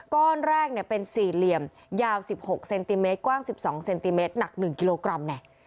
ก้อนแรกเป็นสี่เหลี่ยมยาว๑๖เซนติเมตรกว้าง๑๒เซนติเมตรหนัก๑กิโลกรัมเนี่ย